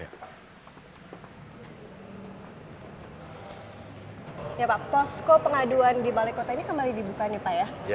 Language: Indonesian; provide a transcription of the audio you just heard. ya pak posko pengaduan di balai kota ini kembali dibuka nih pak ya